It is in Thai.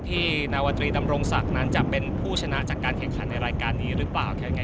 พี่นวรดิตำรงศักดิ์จะเป็นผู้ชนะจากการแข่งขันนี้หรือเปล่า